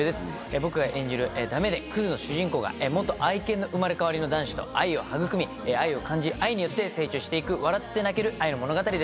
僕が演じるダメでクズの主人公が愛犬の生まれ変わりの男子と愛を育み愛を感じ愛によって成長して行く笑って泣ける愛の物語です。